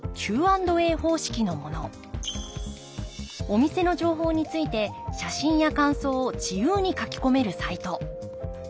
お店の情報について写真や感想を自由に書き込めるサイト。